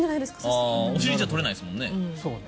お尻じゃとれないですもんね。